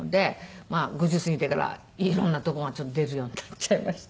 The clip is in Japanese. まあ５０過ぎてから色んな所が出るようになっちゃいました。